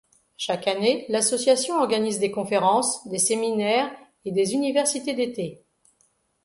Chaque année l'association organise des conférences, des séminaires et des universités d'été.